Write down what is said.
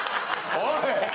おい！